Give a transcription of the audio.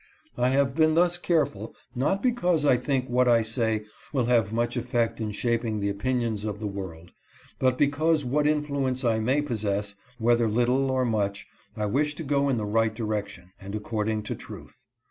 I have been thus careful, not because I think what I say will have much effect in shaping the opinions of the world, but because what influence I may possess, whether little or much, I wish to go in the right direction, and according to truth.